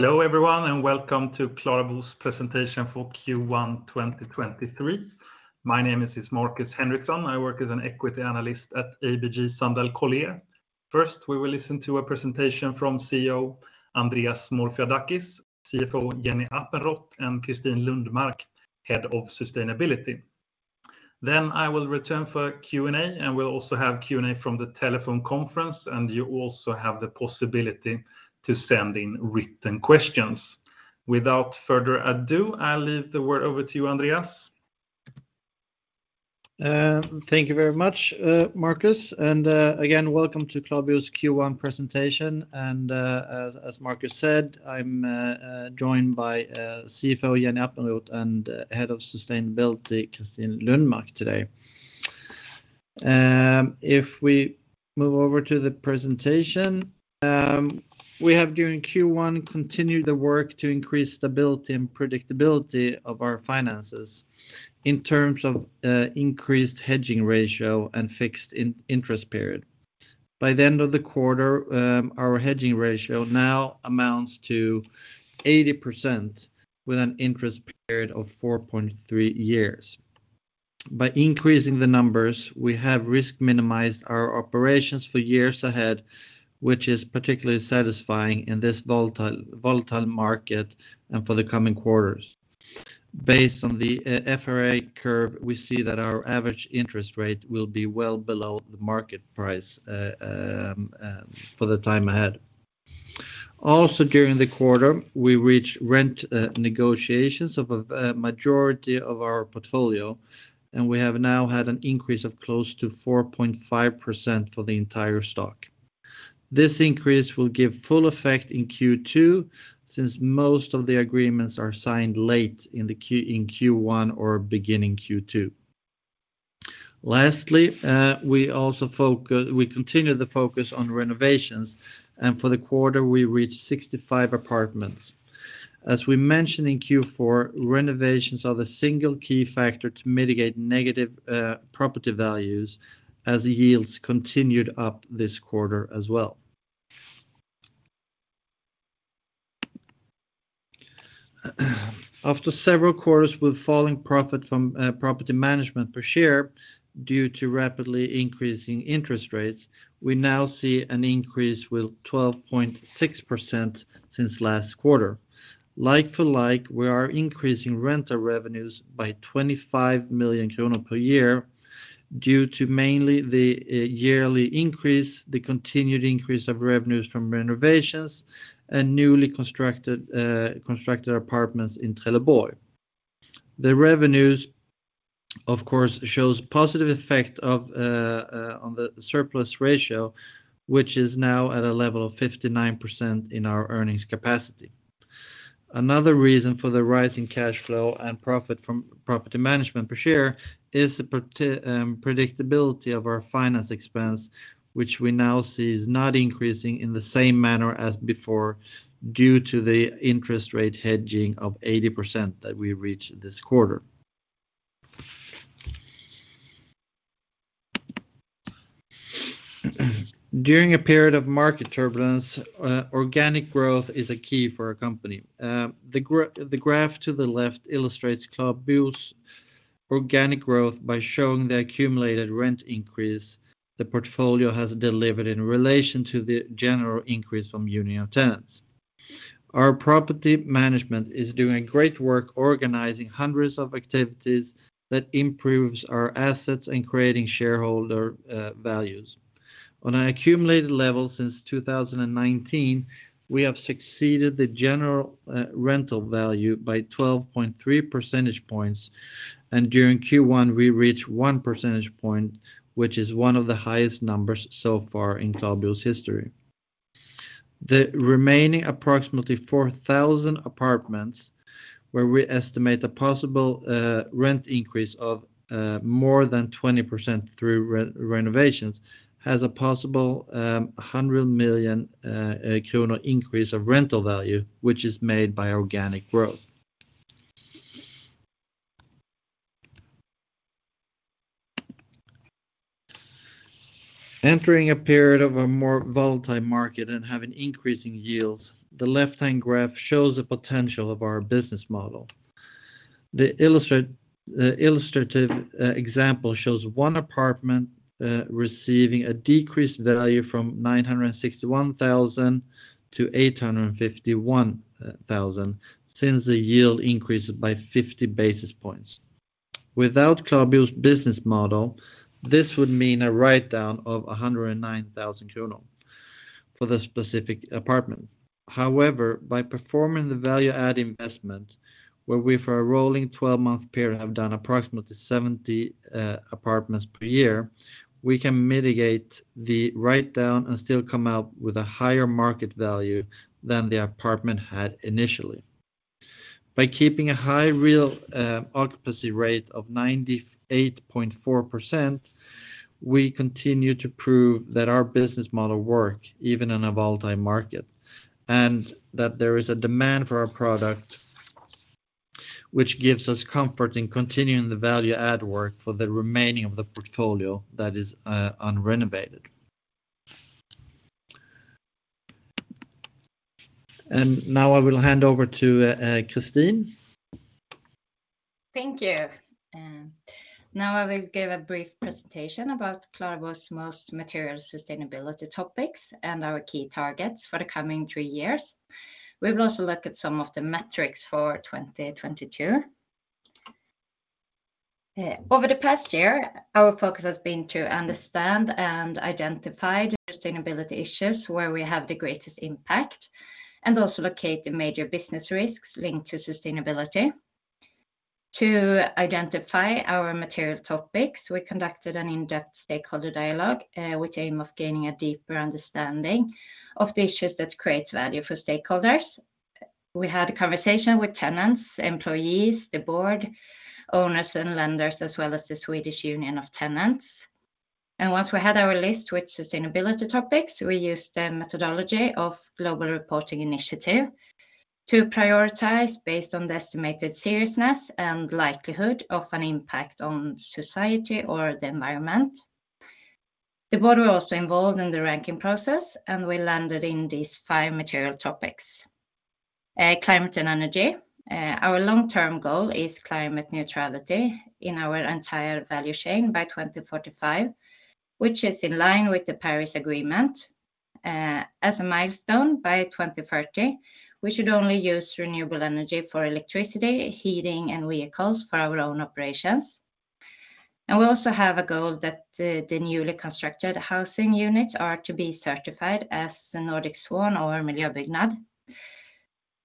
Hello everyone, welcome to KlaraBo's presentation for Q1 2023. My name is Markus Henriksson. I work as an equity analyst at ABG Sundal Collier. First, we will listen to a presentation from CEO Andreas Morfiadakis, CFO Jenny Appenrodt, and Kristin Lundmark, Head of Sustainability. I will return for Q&A. We'll also have Q&A from the telephone conference. You also have the possibility to send in written questions. Without further ado, I'll leave the word over to you, Andreas. Thank you very much, Markus. Again, welcome to KlaraBo's Q1 presentation. As Markus said, I'm joined by CFO Jenny Appenrodt and head of sustainability, Kristin Lundmark, today. If we move over to the presentation, we have during Q1 continued the work to increase stability and predictability of our finances in terms of increased hedging ratio and fixed in-interest period. By the end of the quarter, our hedging ratio now amounts to 80% with an interest period of 4.3 years. By increasing the numbers, we have risk minimized our operations for years ahead, which is particularly satisfying in this volatile market and for the coming quarters. Based on the FRA curve, we see that our average interest rate will be well below the market price for the time ahead. During the quarter, we reached rent negotiations of a majority of our portfolio, and we have now had an increase of close to 4.5% for the entire stock. This increase will give full effect in Q2, since most of the agreements are signed late in Q1 or beginning Q2. We continue to focus on renovations, and for the quarter, we reached 65 apartments. As we mentioned in Q4, renovations are the single key factor to mitigate negative property values as yields continued up this quarter as well. After several quarters with falling profit from property management per share due to rapidly increasing interest rates, we now see an increase with 12.6% since last quarter. Like for like, we are increasing rental revenues by 25 million kronor per year due to mainly the yearly increase, the continued increase of revenues from renovations, and newly constructed apartments in Trelleborg. The revenues, of course, shows positive effect of on the surplus ratio, which is now at a level of 59% in our earnings capacity. Another reason for the rise in cash flow and profit from property management per share is the predictability of our finance expense, which we now see is not increasing in the same manner as before, due to the interest rate hedging of 80% that we reached this quarter. During a period of market turbulence, organic growth is a key for our company. The graph to the left illustrates KlaraBo's organic growth by showing the accumulated rent increase the portfolio has delivered in relation to the general increase from union tenants. Our property management is doing great work organizing hundreds of activities that improves our assets and creating shareholder values. On an accumulated level since 2019, we have succeeded the general rental value by 12.3 percentage points. During Q1, we reached one percentage point, which is one of the highest numbers so far in KlaraBo's history. The remaining approximately 4,000 apartments, where we estimate a possible rent increase of more than 20% through renovations, has a possible 100 million kronor increase of rental value, which is made by organic growth. Entering a period of a more volatile market and have an increasing yields, the left-hand graph shows the potential of our business model. The illustrative example shows 1 apartment receiving a decreased value from 961,000 to 851,000, since the yield increased by 50 basis points. Without KlaraBo's business model, this would mean a write-down of 109,000 kronor for the specific apartment. By performing the value add investment, where we for a rolling 12-month period have done approximately 70 apartments per year, we can mitigate the write-down and still come out with a higher market value than the apartment had initially. By keeping a high real occupancy rate of 98.4%, we continue to prove that our business model work even in a volatile market, and that there is a demand for our product Which gives us comfort in continuing the value add work for the remaining of the portfolio that is unrenovated. Now I will hand over to Kristin. Thank you. Now I will give a brief presentation about KlaraBo's most material sustainability topics and our key targets for the coming 3 years. We will also look at some of the metrics for 2022. Over the past year, our focus has been to understand and identify the sustainability issues where we have the greatest impact, and also locate the major business risks linked to sustainability. To identify our material topics, we conducted an in-depth stakeholder dialogue, with aim of gaining a deeper understanding of the issues that create value for stakeholders. We had a conversation with tenants, employees, the board, owners and lenders, as well as the Swedish Union of Tenants. Once we had our list with sustainability topics, we used the methodology of Global Reporting Initiative to prioritize based on the estimated seriousness and likelihood of an impact on society or the environment. The board were also involved in the ranking process, we landed in these 5 material topics. Climate and energy. Our long-term goal is climate neutrality in our entire value chain by 2045, which is in line with the Paris Agreement. As a milestone by 2030, we should only use renewable energy for electricity, heating, and vehicles for our own operations. We also have a goal that the newly constructed housing units are to be certified as the Nordic Swan or Miljömärkt.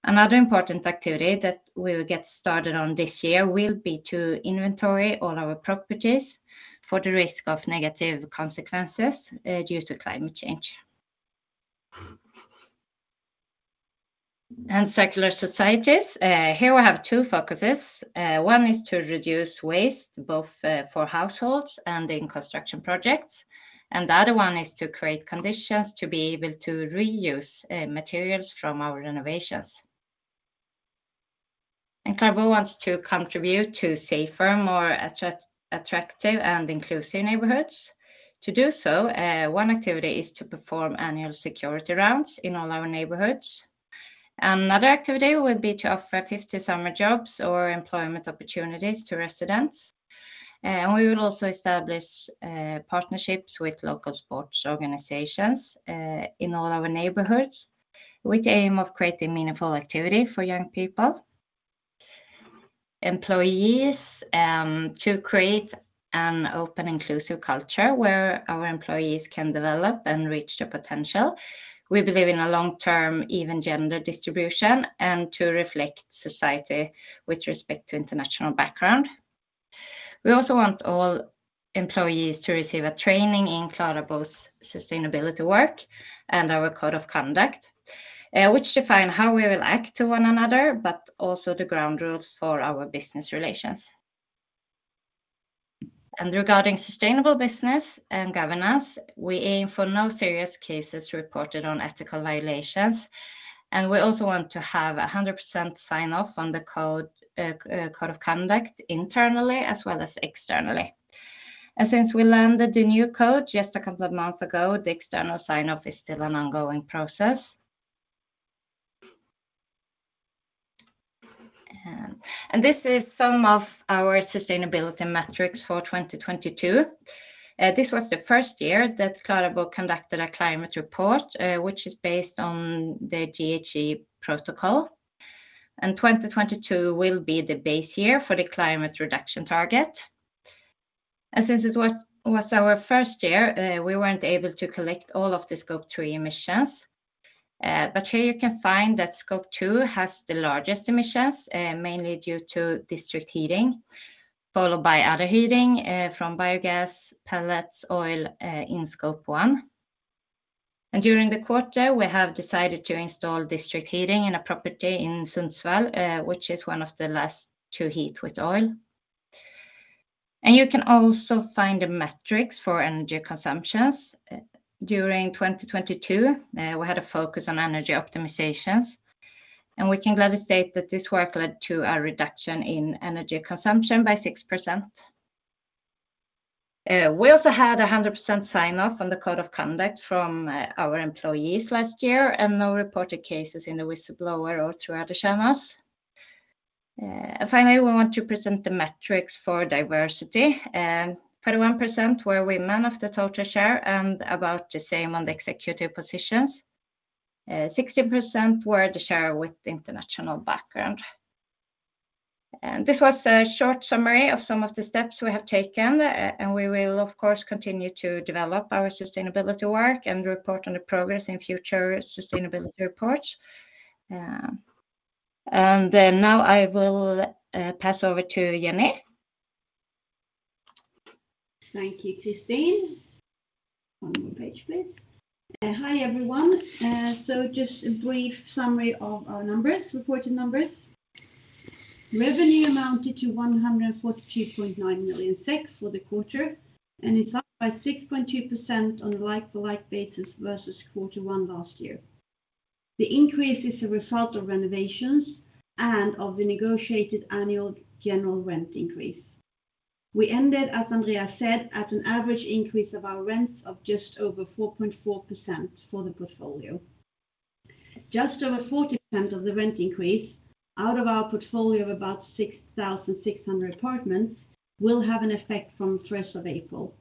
Another important activity that we will get started on this year will be to inventory all our properties for the risk of negative consequences due to climate change. Secular societies. Here we have 2 focuses. One is to reduce waste, both for households and in construction projects. The other one is to create conditions to be able to reuse materials from our renovations. KlaraBo wants to contribute to safer, more attractive, and inclusive neighborhoods. To do so, one activity is to perform annual security rounds in all our neighborhoods. Another activity will be to offer 50 summer jobs or employment opportunities to residents. We will also establish partnerships with local sports organizations in all our neighborhoods, with the aim of creating meaningful activity for young people. Employees, to create an open, inclusive culture where our employees can develop and reach their potential. We believe in a long-term, even gender distribution and to reflect society with respect to international background. We also want all employees to receive a training in KlaraBo's sustainability work and our code of conduct, which define how we will act to one another, but also the ground rules for our business relations. Regarding sustainable business and governance, we aim for no serious cases reported on ethical violations, and we also want to have 100% sign-off on the code of conduct internally as well as externally. Since we landed the new code just a couple of months ago, the external sign-off is still an ongoing process. This is some of our sustainability metrics for 2022. This was the first year that KlaraBo conducted a climate report, which is based on the GHG Protocol. 2022 will be the base year for the climate reduction target. Since it was our first year, we weren't able to collect all of the Scope 3 emissions. Here you can find that Scope 2 has the largest emissions, mainly due to district heating, followed by other heating from biogas, pellets, oil, in Scope 1. During the quarter, we have decided to install district heating in a property in Sundsvall, which is one of the last to heat with oil. You can also find the metrics for energy consumptions. During 2022, we had a focus on energy optimizations, and we can gladly state that this work led to a reduction in energy consumption by 6%. We also had a 100% sign-off on the code of conduct from our employees last year and no reported cases in the whistleblower or through other channels. Finally, we want to present the metrics for diversity. 31% were women of the total share and about the same on the executive positions. 60% were the share with international background. This was a short summary of some of the steps we have taken, and we will of course, continue to develop our sustainability work and report on the progress in future sustainability reports. Now I will pass over to Jenny. Thank you, Kristin. One more page, please. Hi, everyone. Just a brief summary of our numbers, reported numbers. Revenue amounted to 142.9 million for the quarter, and it's up by 6.2% on a like-to-like basis versus quarter one last year. The increase is a result of renovations and of the negotiated annual general rent increase. We ended, as Andrea said, at an average increase of our rents of just over 4.4% for the portfolio. Just over 40% of the rent increase out of our portfolio of about 6,600 apartments will have an effect from first of April.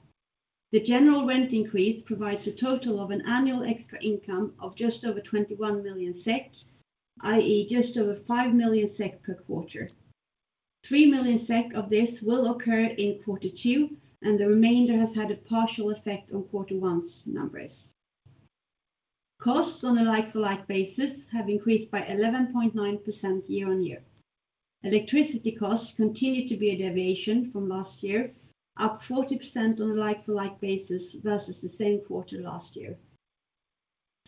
The general rent increase provides a total of an annual extra income of just over 21 million SEK, i.e., just over 5 million SEK per quarter. 3 million SEK of this will occur in quarter 2, and the remainder has had a partial effect on quarter 1's numbers. Costs on a like-for-like basis have increased by 11.9% year-on-year. Electricity costs continue to be a deviation from last year, up 40% on a like-for-like basis versus the same quarter last year.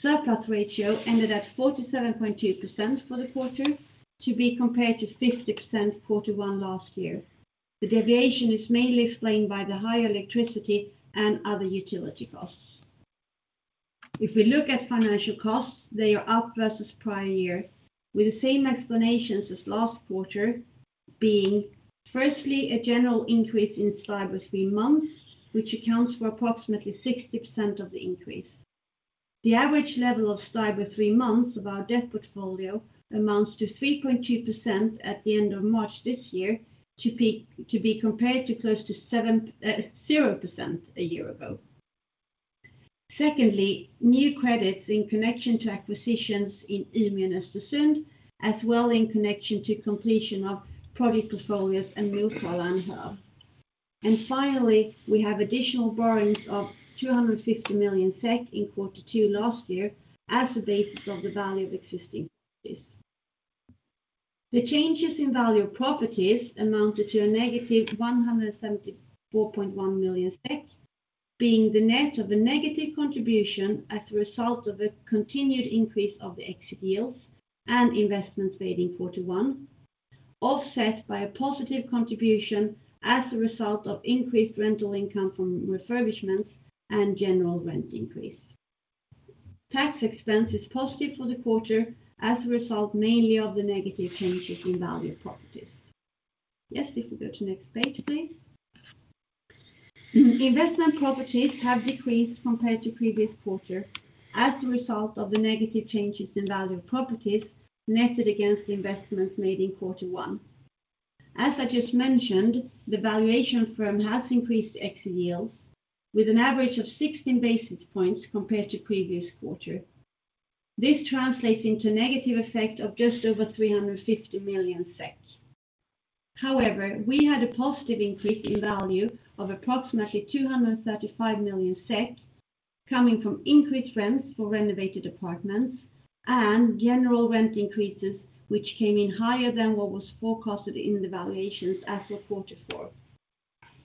Surplus ratio ended at 47.2% for the quarter to be compared to 50% quarter 1 last year. The deviation is mainly explained by the higher electricity and other utility costs. If we look at financial costs, they are up versus prior year with the same explanations as last quarter being, firstly, a general increase in STIBOR 3 months, which accounts for approximately 60% of the increase. The average level of STIBOR 3 months of our debt portfolio amounts to 3.2% at the end of March this year to be compared to close to 0% a year ago. Secondly, new credits in connection to acquisitions in Umeå and Östersund, as well in connection to completion of project portfolios in Mölndal and Halmstad. Finally, we have additional borrowings of 250 million SEK in quarter 2 last year as a basis of the value of existing properties. The changes in value of properties amounted to a negative 174.1 million SEK, being the net of the negative contribution as a result of a continued increase of the exit yields and investments made in 41, offset by a positive contribution as a result of increased rental income from refurbishments and general rent increase. Tax expense is positive for the quarter as a result mainly of the negative changes in value properties. If we go to next page, please. Investment properties have decreased compared to previous quarter as a result of the negative changes in value properties netted against the investments made in quarter 1. As I just mentioned, the valuation firm has increased exit yields with an average of 16 basis points compared to previous quarter. This translates into negative effect of just over 350 million. We had a positive increase in value of approximately 235 million coming from increased rents for renovated apartments and general rent increases which came in higher than what was forecasted in the valuations as of quarter 4.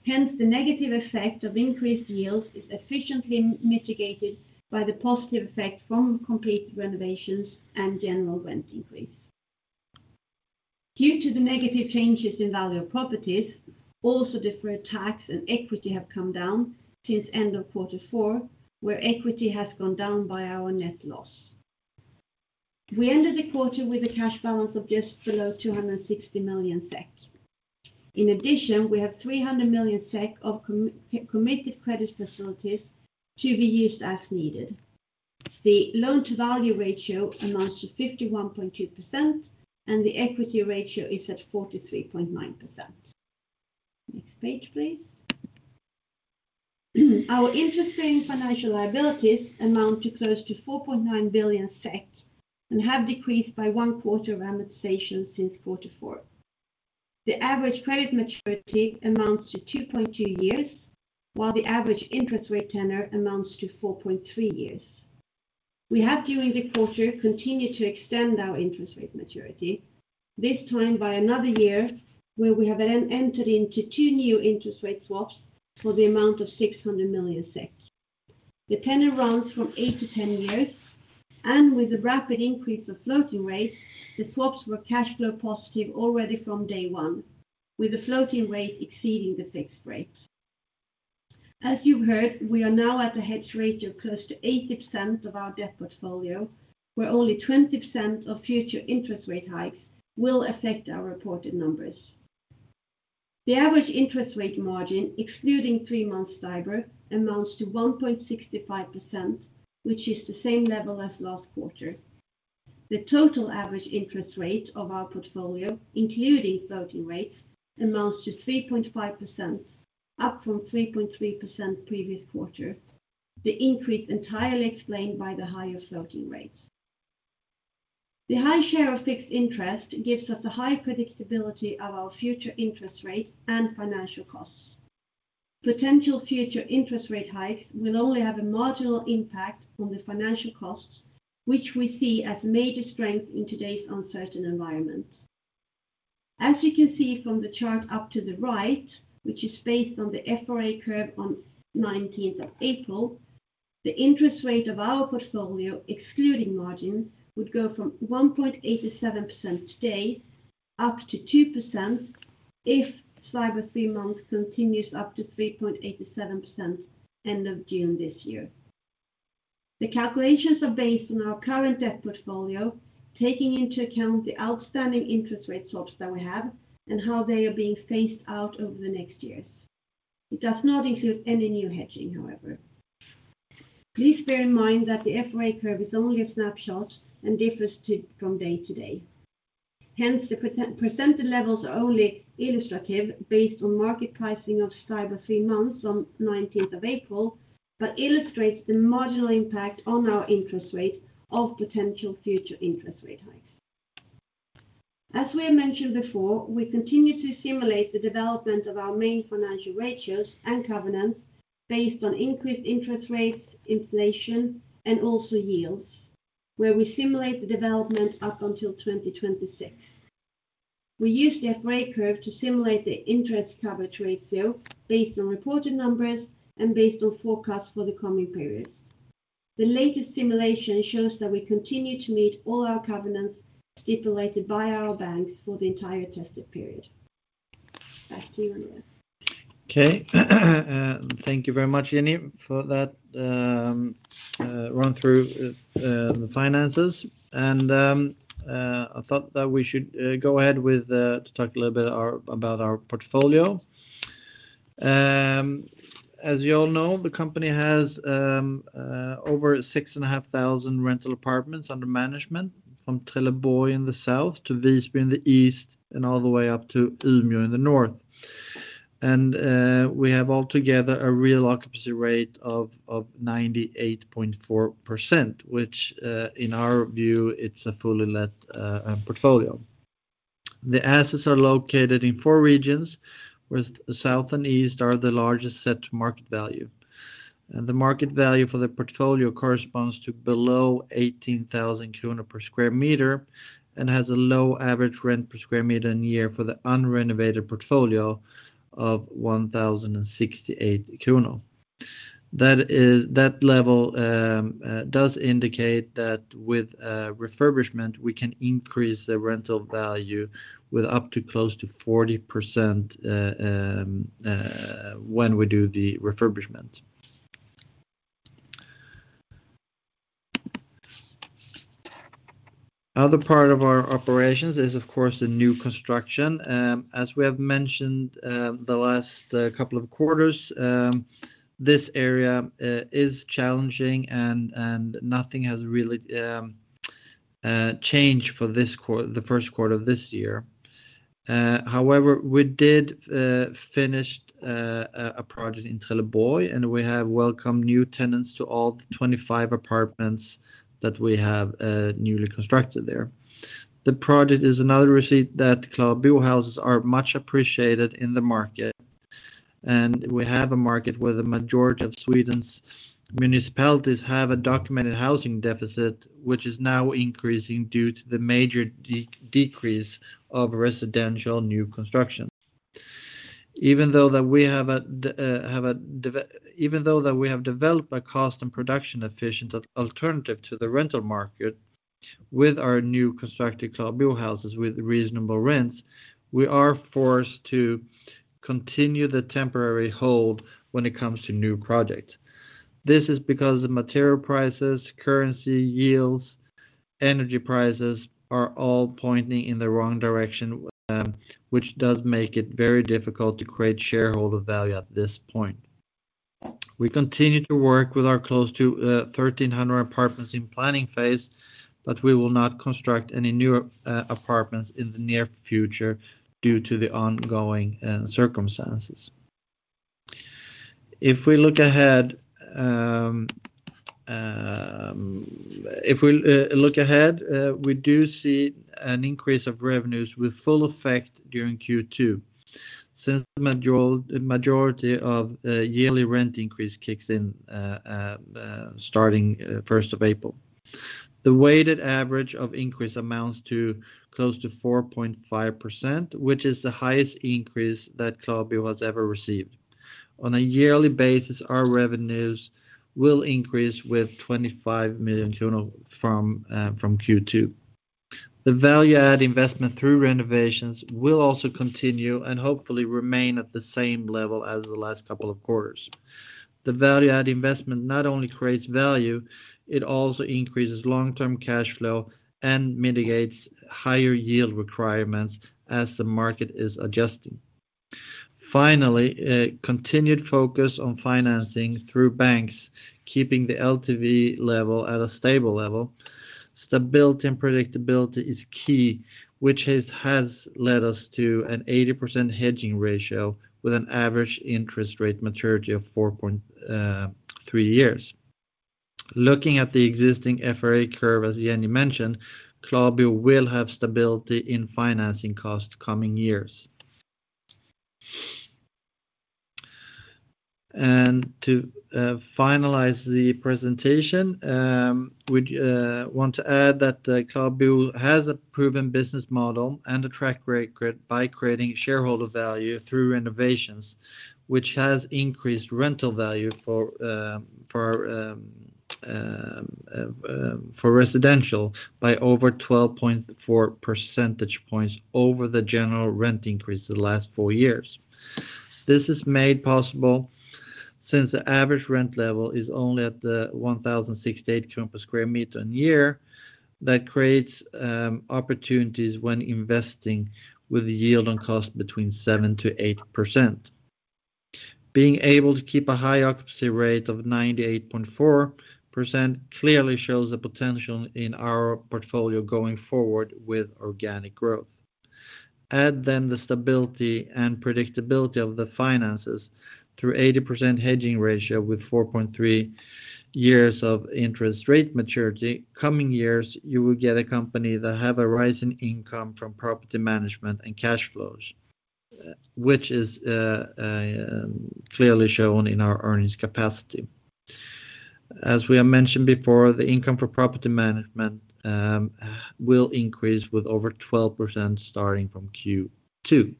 The negative effect of increased yields is efficiently mitigated by the positive effect from completed renovations and general rent increase. Due to the negative changes in value of properties, also deferred tax and equity have come down since end of quarter 4, where equity has gone down by our net loss. We ended the quarter with a cash balance of just below 260 million SEK. In addition, we have 300 million SEK of committed credit facilities to be used as needed. The loan to value ratio amounts to 51.2%, and the equity ratio is at 43.9%. Next page, please. Our interest-bearing financial liabilities amount to close to 4.9 billion SEK and have decreased by one quarter amortization since quarter 4. The average credit maturity amounts to 2.2 years, while the average interest rate tenor amounts to 4.3 years. We have during the quarter continued to extend our interest rate maturity, this time by another year, where we have entered into 2 new interest rate swaps for the amount of 600 million. The tenor runs from 8-10 years, with the rapid increase of floating rates, the swaps were cash flow positive already from day one, with the floating rate exceeding the fixed rate. As you heard, we are now at a hedge ratio of close to 80% of our debt portfolio, where only 20% of future interest rate hikes will affect our reported numbers. The average interest rate margin, excluding 3-month STIBOR, amounts to 1.65%, which is the same level as last quarter. The total average interest rate of our portfolio, including floating rates, amounts to 3.5%, up from 3.3% previous quarter. The increase entirely explained by the higher floating rates. The high share of fixed interest gives us a high predictability of our future interest rates and financial costs. Potential future interest rate hikes will only have a marginal impact on the financial costs, which we see as a major strength in today's uncertain environment. As you can see from the chart up to the right, which is based on the FRA curve on 19th of April, the interest rate of our portfolio, excluding margins, would go from 1.87% today up to 2% if STIBOR 3 months continues up to 3.87% end of June this year. The calculations are based on our current debt portfolio, taking into account the outstanding interest rate swaps that we have and how they are being phased out over the next years. It does not include any new hedging, however. Please bear in mind that the FRA curve is only a snapshot and differs from day to day. Hence, the percentage levels are only illustrative based on market pricing of STIBOR 3 months on 19th of April, but illustrates the marginal impact on our interest rate of potential future interest rate hikes. As we have mentioned before, we continue to simulate the development of our main financial ratios and covenants based on increased interest rates, inflation, and also yields, where we simulate the development up until 2026. We use the FRA curve to simulate the interest coverage ratio based on reported numbers and based on forecasts for the coming periods. The latest simulation shows that we continue to meet all our covenants stipulated by our banks for the entire tested period. Back to you, Andreas. Okay. Thank you very much, Jenny, for that run through the finances. I thought that we should go ahead to talk a little bit about our portfolio. As you all know, the company has over 6,500 rental apartments under management, from Trelleborg in the south to Visby in the east, and all the way up to Umeå in the north. We have altogether a real occupancy rate of 98.4%, which in our view, it's a fully let portfolio. The assets are located in 4 regions, with south and east are the largest set to market value. The market value for the portfolio corresponds to below 18,000 per square meter and has a low average rent per square meter in a year for the unrenovated portfolio of 1,068 kronor. That level does indicate that with refurbishment, we can increase the rental value with up to close to 40% when we do the refurbishment. Other part of our operations is, of course, the new construction. As we have mentioned, the last couple of quarters, this area is challenging and nothing has really changed for the Q1 of this year. However, we did finished a project in Trelleborg, and we have welcomed new tenants to all 25 apartments that we have newly constructed there. The project is another receipt that KlaraBo houses are much appreciated in the market. We have a market where the majority of Sweden's municipalities have a documented housing deficit, which is now increasing due to the major decrease of residential new construction. Even though that we have developed a cost and production efficient alternative to the rental market with our new constructed KlaraBo houses with reasonable rents, we are forced to continue the temporary hold when it comes to new projects. This is because the material prices, currency yields, energy prices are all pointing in the wrong direction, which does make it very difficult to create shareholder value at this point. We continue to work with our close to 1,300 apartments in planning phase. We will not construct any new apartments in the near future due to the ongoing circumstances. If we look ahead, we do see an increase of revenues with full effect during Q2, since the majority of yearly rent increase kicks in starting 1st of April. The weighted average of increase amounts to close to 4.5%, which is the highest increase that KlaraBo has ever received. On a yearly basis, our revenues will increase with 25 million from Q2. The value add investment through renovations will also continue and hopefully remain at the same level as the last couple of quarters. The value add investment not only creates value, it also increases long-term cash flow and mitigates higher yield requirements as the market is adjusting. Finally, a continued focus on financing through banks, keeping the LTV level at a stable level. Stability and predictability is key, which has led us to an 80% hedging ratio with an average interest rate maturity of 4.3 years. Looking at the existing FRA curve, as Jenny mentioned, KlaraBo will have stability in financing costs coming years. To finalize the presentation, we'd want to add that KlaraBo has a proven business model and a track record by creating shareholder value through renovations, which has increased rental value for residential by over 12.4 percentage points over the general rent increase the last 4 years. This is made possible since the average rent level is only at the 1,068 per square meter in a year. Creates opportunities when investing with the yield on cost between 7% to 8%. Being able to keep a high occupancy rate of 98.4% clearly shows the potential in our portfolio going forward with organic growth. The stability and predictability of the finances through 80% hedging ratio with 4.3 years of interest rate maturity. Coming years, you will get a company that have a rise in income from property management and cash flows, which is clearly shown in our earnings capacity. As we have mentioned before, the income for property management will increase with over 12% starting from Q2.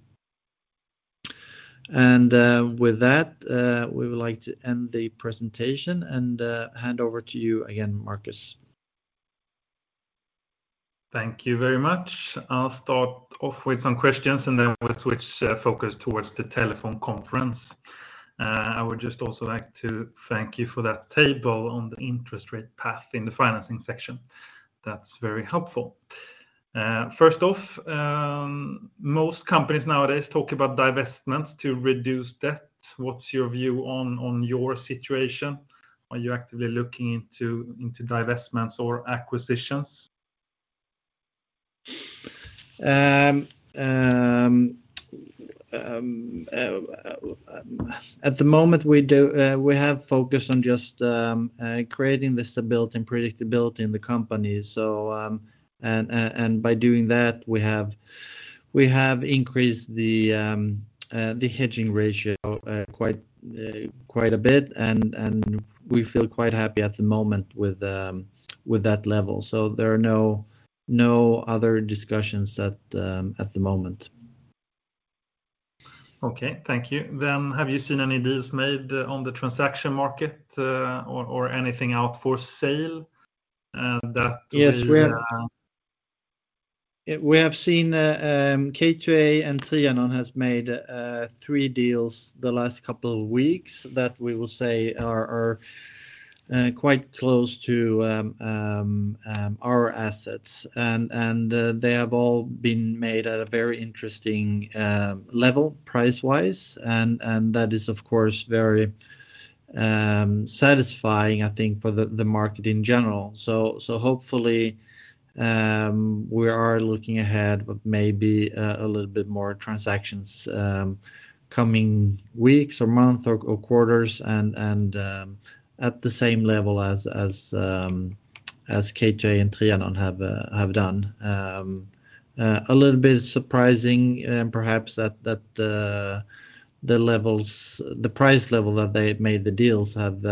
With that, we would like to end the presentation and, hand over to you again, Markus. Thank you very much. I'll start off with some questions, and then we'll switch focus towards the telephone conference. I would just also like to thank you for that table on the interest rate path in the financing section. That's very helpful. First off, most companies nowadays talk about divestments to reduce debt. What's your view on your situation? Are you actively looking into divestments or acquisitions? At the moment, we have focused on just creating the stability and predictability in the company. By doing that, we have increased the hedging ratio quite a bit. We feel quite happy at the moment with that level. There are no other discussions at the moment. Okay. Thank you. Have you seen any deals made on the transaction market, or anything out for sale? Yes, we have. We have seen K2A and Trianon has made 3 deals the last couple of weeks that we will say are quite close to our assets. They have all been made at a very interesting level price-wise. That is, of course, very satisfying, I think, for the market in general. Hopefully, we are looking ahead with maybe a little bit more transactions coming weeks or months or quarters and at the same level as K2A and Trianon have done. A little bit surprising perhaps that the price level that they made the deals have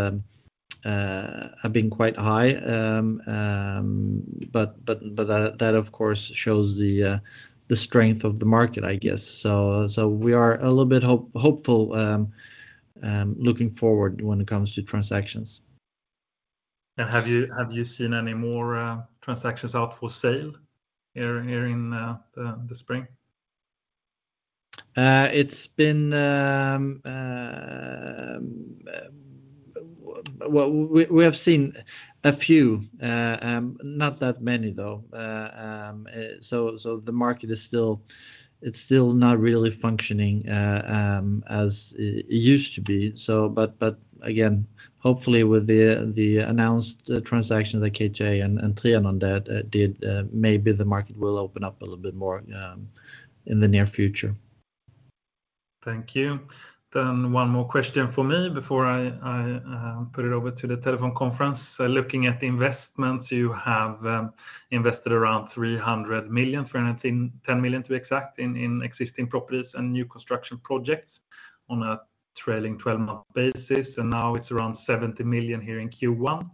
been quite high. That, of course, shows the strength of the market, I guess. We are a little bit hopeful looking forward when it comes to transactions. Have you seen any more transactions out for sale here in the spring? It's been. Well, we have seen a few, not that many, though. The market is still, it's still not really functioning, as it used to be. Again, hopefully with the announced transactions that K2A and Trianon that did, maybe the market will open up a little bit more, in the near future. Thank you. One more question from me before I put it over to the telephone conference. Looking at the investments, you have invested around 300 million, 310 million to be exact, in existing properties and new construction projects on a trailing 12-month basis, and now it's around 70 million here in Q1.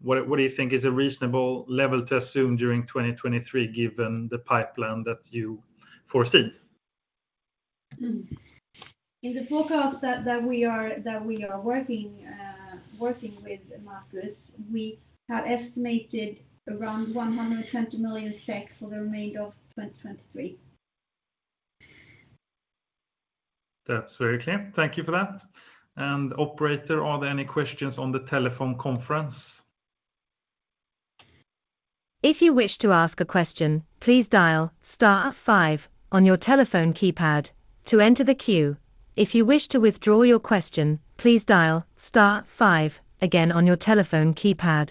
What do you think is a reasonable level to assume during 2023, given the pipeline that you foresee? In the forecast that we are working with, Markus, we have estimated around 120 million for the remainder of 2023. That's very clear. Thank you for that. Operator, are there any questions on the telephone conference? If you wish to ask a question, please dial star 5 on your telephone keypad to enter the queue. If you wish to withdraw your question, please dial star 5 again on your telephone keypad.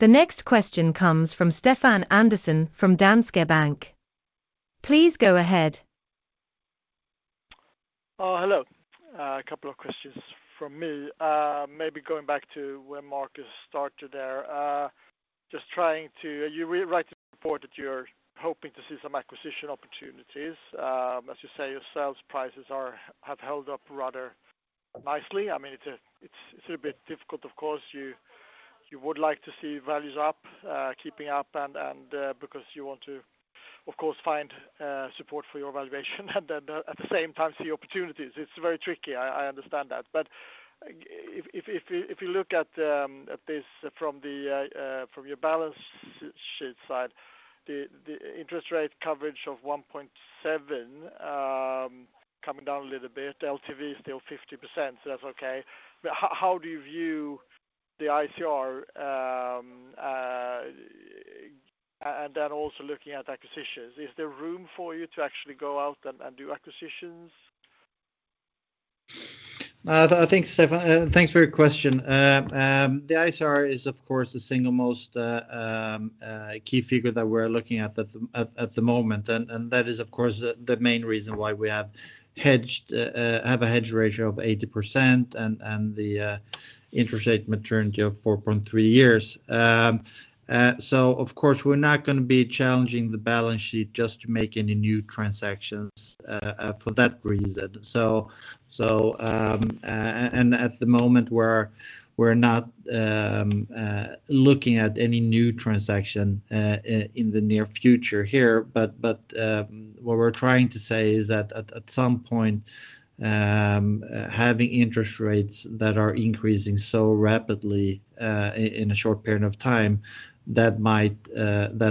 The next question comes from Stefan Andersson from Danske Bank. Please go ahead. Hello. A couple of questions from me. Maybe going back to where Markus started there. Just trying to... You write in the report that you're hoping to see some acquisition opportunities. As you say, your sales prices have held up rather nicely. It's a bit difficult, of course. You. You would like to see values up, keeping up and because you want to, of course, find support for your valuation and then at the same time see opportunities. It's very tricky, I understand that. If you look at this from your balance sheet side, the interest rate coverage of 1.7 coming down a little bit, LTV is still 50%, so that's okay. How do you view the ICR and then also looking at acquisitions, is there room for you to actually go out and do acquisitions? I think, Stefan, thanks for your question. The ICR is, of course, the single most key figure that we're looking at at the moment. That is, of course, the main reason why we have a hedge ratio of 80% and the interest rate maturity of 4.3 years. Of course, we're not gonna be challenging the balance sheet just to make any new transactions for that reason. At the moment we're not looking at any new transaction in the near future here. What we're trying to say is that at some point, having interest rates that are increasing so rapidly in a short period of time, that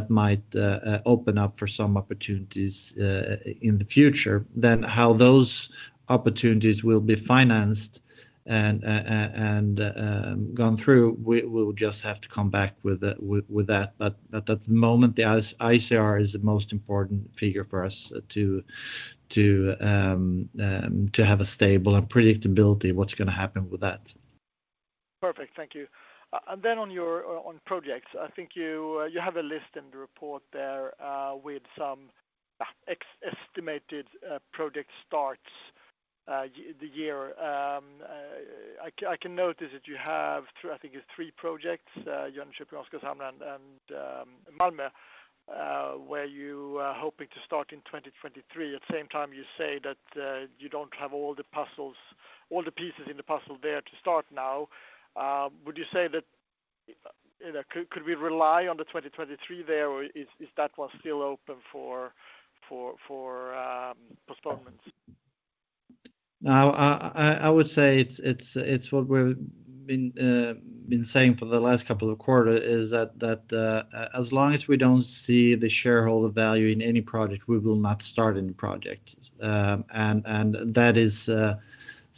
might open up for some opportunities in the future. How those opportunities will be financed and gone through, we'll just have to come back with that. At the moment, the ICR is the most important figure for us to have a stable and predictability what's gonna happen with that. Perfect. Thank you. Then on your, on projects, I think you have a list in the report there with some estimated project starts the year. I can notice that you have 3, I think it's 3 projects, Jönköping, Oskarshamn, and Malmö, where you are hoping to start in 2023. At the same time, you say that you don't have all the puzzles, all the pieces in the puzzle there to start now. Would you say that, you know, could we rely on the 2023 there, or is that one still open for postponements? No, I would say it's what we've been saying for the last couple of quarter, is that as long as we don't see the shareholder value in any project, we will not start any project. That is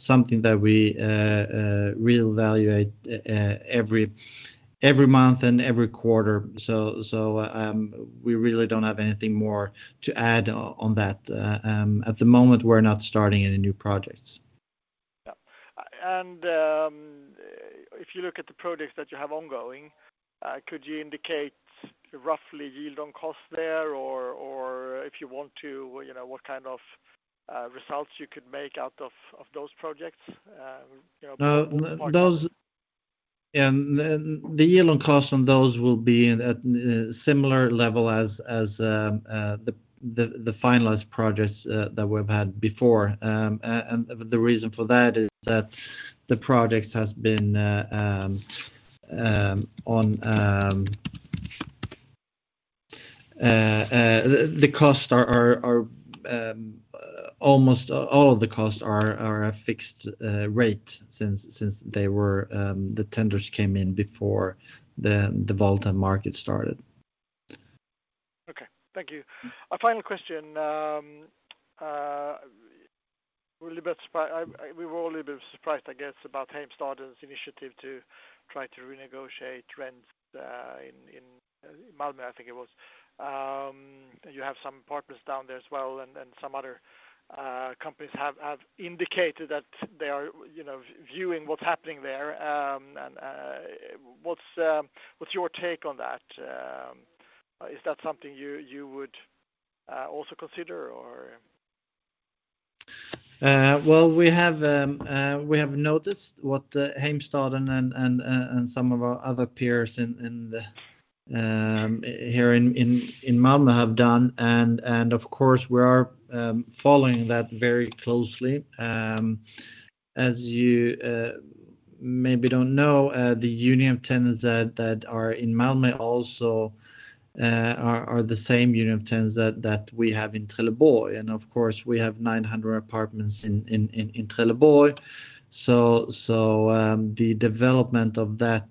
something that we reevaluate every month and every quarter. We really don't have anything more to add on that. At the moment, we're not starting any new projects. Yeah. If you look at the projects that you have ongoing, could you indicate roughly yield on cost there or if you want to, you know, what kind of results you could make out of those projects? You know. on those will be at a similar level as the finalized projects that we've had before. The reason for that is that the project has been on, the costs are almost all of the costs are a fixed rate since they were, the tenders came in before the volatile market started. Okay. Thank you. A final question. We're a little bit surprised, I guess, about Heimstaden's initiative to try to renegotiate rents in Malmö, I think it was. You have some partners down there as well, and some other companies have indicated that they are, you know, viewing what's happening there. What's your take on that? Is that something you would also consider or? Well, we have noticed what Heimstaden and some of our other peers here in Malmö have done. Of course we are following that very closely. As you maybe don't know, the union of tenants that are in Malmö also are the same union of tenants that we have in Trelleborg. Of course, we have 900 apartments in Trelleborg. The development of that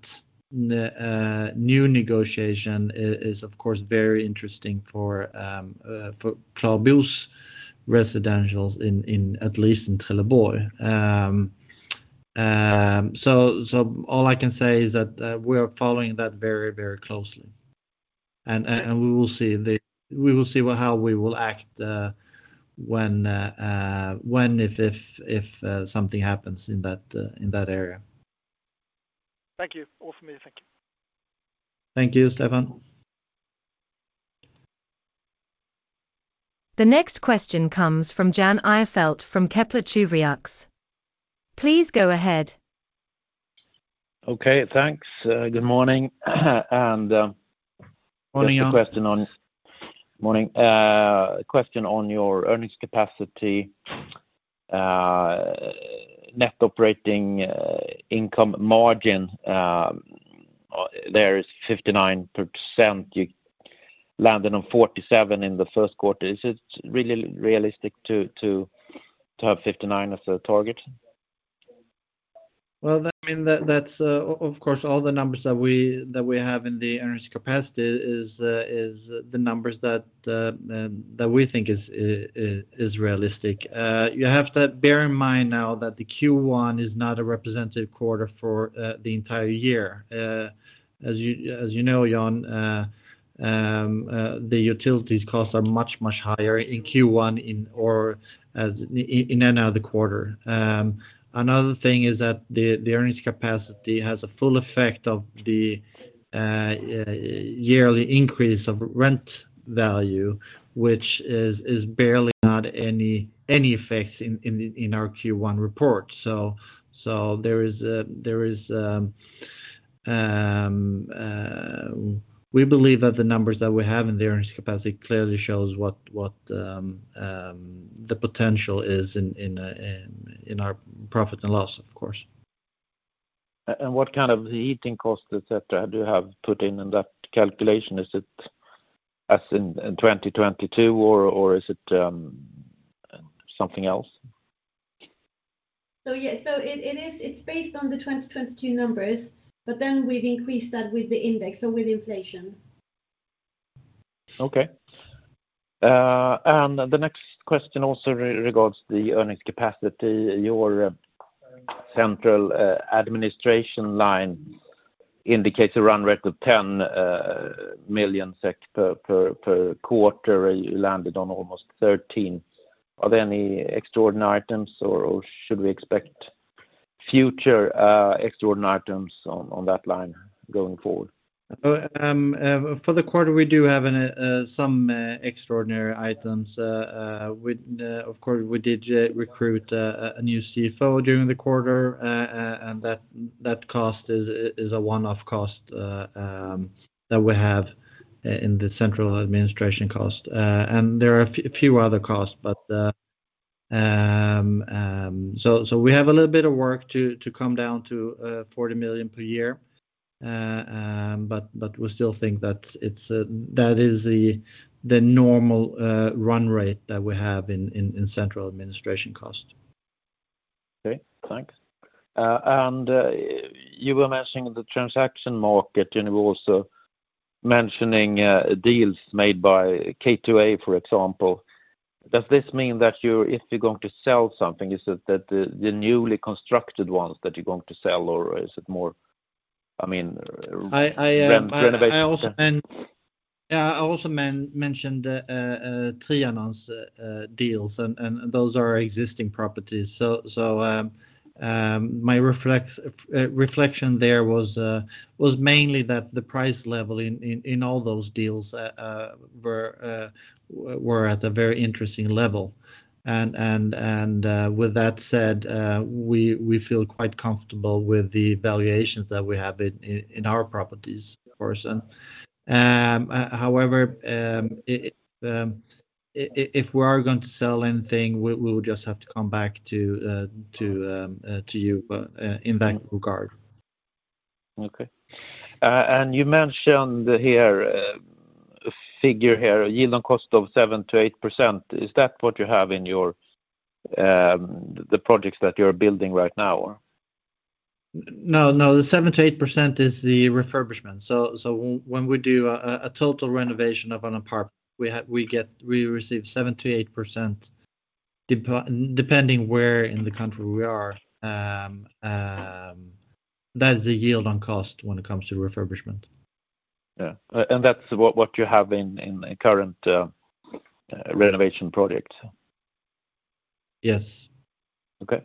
new negotiation is of course very interesting for Klövern at least in Trelleborg. All I can say is that we are following that very, very closely. We will see the... We will see how we will act, when, if, something happens in that, in that area. Thank you. Awesome. Yeah. Thank you. Thank you, Stefan. The next question comes from Jan Ihrfelt from Kepler Cheuvreux. Please go ahead. Okay. Thanks. Good morning. Morning, Jan Just a question on. Morning. Question on your earnings capacity, net operating income margin. There is 59%, you landed on 47% in the Q1. Is it really realistic to have 59% as a target? Well, I mean, that's of course, all the numbers that we have in the earnings capacity is the numbers that we think is realistic. You have to bear in mind now that the Q1 is not a representative quarter for the entire year. As you know, Jan, the utilities costs are much higher in Q1 in any other quarter. Another thing is that the earnings capacity has a full effect of the yearly increase of rent value, which is barely not any effects in our Q1 report. There is, we believe that the numbers that we have in the earnings capacity clearly shows what the potential is in our profit and loss, of course. What kind of heating costs, et cetera, do you have put in that calculation? Is it as in 2022 or is it something else? Yeah. It is, it's based on the 2022 numbers. We've increased that with the index. With inflation. Okay. The next question also regards the earnings capacity. Your central administration line indicates a run rate of 10 million SEK per quarter. You landed on almost 13. Are there any extraordinary items or should we expect future extraordinary items on that line going forward? For the quarter, we do have some extraordinary items. We'd, of course, we did recruit a new CFO during the quarter, and that cost is a one-off cost that we have in the central administration cost. There are a few other costs, but we have a little bit of work to come down to 40 million per year. We still think that it's that is the normal run rate that we have in central administration cost. Okay, thanks. You were mentioning the transaction market, and you were also mentioning deals made by K2A, for example. Does this mean that you're if you're going to sell something, is it that the newly constructed ones that you're going to sell, or is it more, I mean, re-renovation? I also mentioned Trianon's deals, and those are existing properties. My reflection there was mainly that the price level in all those deals were at a very interesting level. With that said, we feel quite comfortable with the valuations that we have in our properties, of course. However, if we are going to sell anything, we'll just have to come back to you in that regard. Okay. You mentioned here, figure here, yield on cost of 7% to 8%. Is that what you have in your, the projects that you're building right now? No, the 7% to 8% is the refurbishment. When we do a total renovation of an apartment, we receive 7% to 8% depending where in the country we are. That is the yield on cost when it comes to refurbishment. Yeah. That's what you have in current renovation projects? Yes. Okay.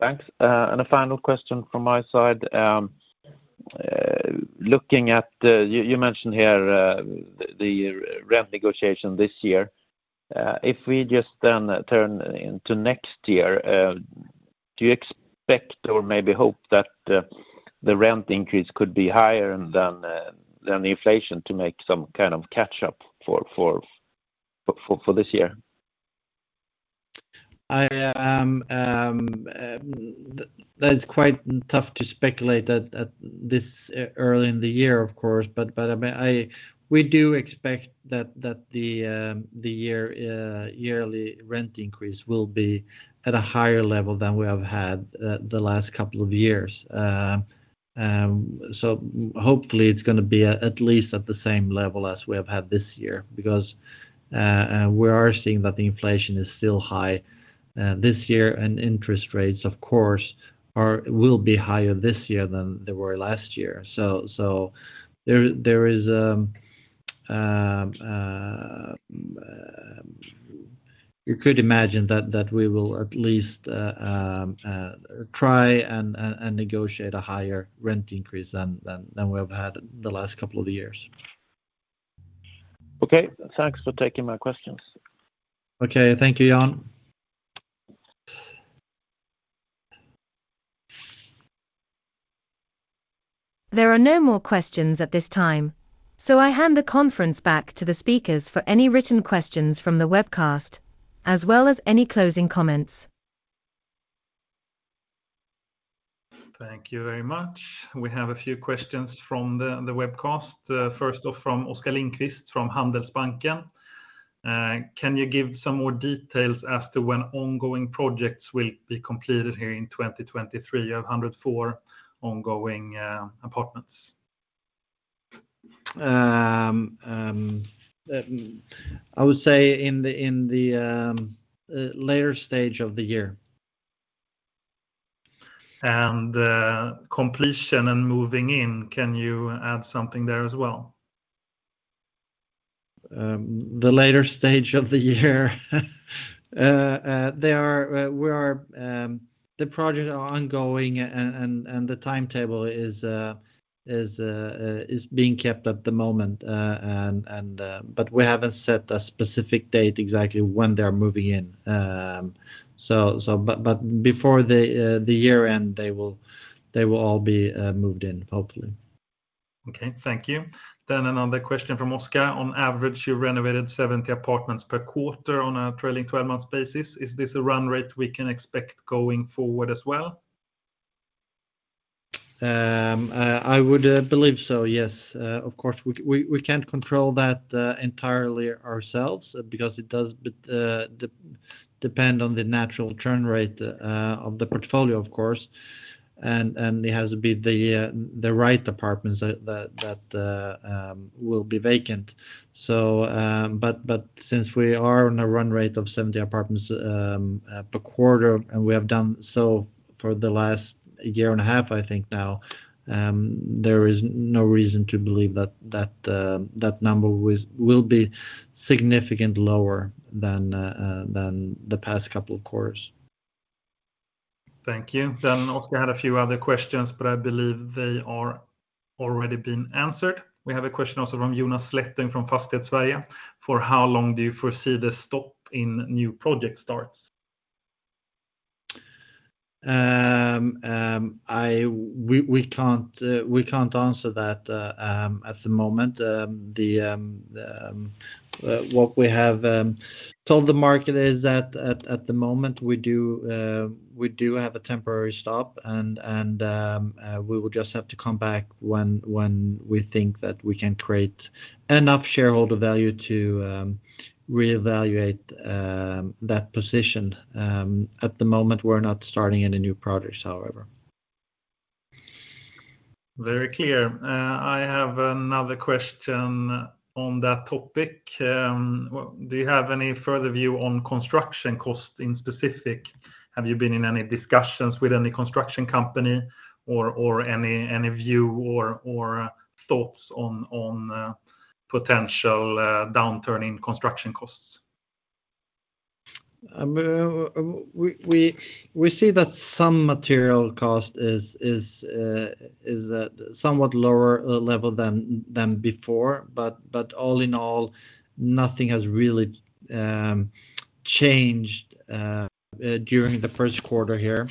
Thanks. A final question from my side. Looking at, you mentioned here, the rent negotiation this year. If we just turn into next year, do you expect or maybe hope that the rent increase could be higher than the inflation to make some kind of catch up for this year? That is quite tough to speculate at this early in the year, of course. I mean, we do expect that the yearly rent increase will be at a higher level than we have had the last couple of years. Hopefully, it's gonna be at least at the same level as we have had this year because we are seeing that the inflation is still high this year, and interest rates, of course, will be higher this year than they were last year. There is, you could imagine that we will at least try and negotiate a higher rent increase than we have had the last couple of years. Okay. Thanks for taking my questions. Okay. Thank you, Jan. There are no more questions at this time, so I hand the conference back to the speakers for any written questions from the webcast, as well as any closing comments. Thank you very much. We have a few questions from the webcast. First off, from Oscar Lindquist from Handelsbanken. Can you give some more details as to when ongoing projects will be completed here in 2023 of 104 ongoing apartments? I would say in the, in the, later stage of the year. The completion and moving in, can you add something there as well? The later stage of the year. We are. The projects are ongoing and the timetable is being kept at the moment. We haven't set a specific date exactly when they're moving in. Before the year end, they will all be moved in, hopefully. Okay, thank you. Another question from Oscar. On average, you renovated 70 apartments per quarter on a trailing 12 months basis. Is this a run rate we can expect going forward as well? I would believe so, yes. Of course, we can't control that entirely ourselves because it does depend on the natural churn rate of the portfolio, of course. It has to be the right apartments that will be vacant. Since we are on a run rate of 70 apartments per quarter, and we have done so for the last year and a half, I think now, there is no reason to believe that that number will be significant lower than the past couple of quarters. Thank you. Oscar had a few other questions, but I believe they are already been answered. We have a question also from Jonas Slättung from FastighetsSverige. For how long do you foresee the stop in new project starts? We can't answer that at the moment. What we have told the market is that at the moment we do have a temporary stop and, we will just have to come back when we think that we can create enough shareholder value to reevaluate that position. At the moment, we're not starting any new projects, however. Very clear. I have another question on that topic. Do you have any further view on construction cost in specific? Have you been in any discussions with any construction company or any view or thoughts on potential downturn in construction costs? We see that some material cost is at somewhat lower level than before. All in all, nothing has really changed during the Q1 here.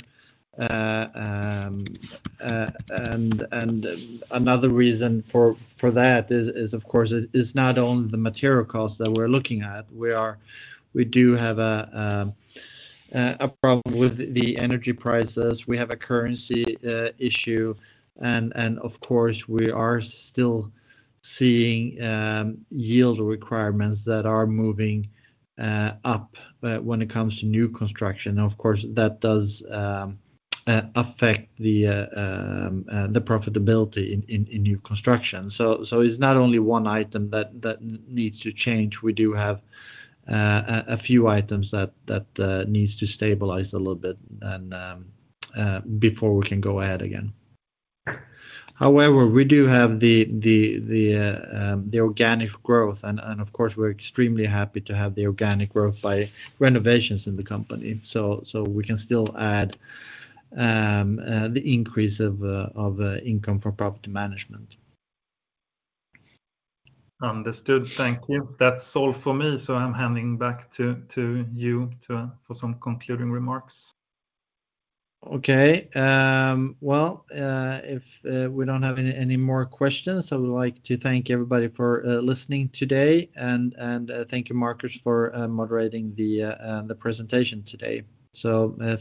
Another reason for that is of course it's not only the material cost that we're looking at. We do have a problem with the energy prices, we have a currency issue, and of course, we are still seeing yield requirements that are moving up when it comes to new construction. Of course, that does affect the profitability in new construction. It's not only one item that needs to change. We do have a few items that needs to stabilize a little bit and before we can go ahead again. However, we do have the organic growth and of course, we're extremely happy to have the organic growth by renovations in the company. We can still add the increase of income from property management. Understood. Thank you. That's all for me, I'm handing back to you to, for some concluding remarks. Okay. Well, if we don't have any more questions, I would like to thank everybody for listening today and thank you Markus for moderating the presentation today.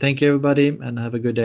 Thank you everybody, and have a good day.